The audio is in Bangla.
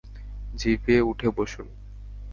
জিপে উঠে বসুন!